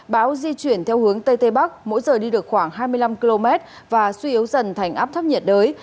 bão di chuyển theo hướng tây tây bắc mỗi giờ đi được khoảng hai mươi năm km và suy yếu dần thành áp thấp nhiệt đới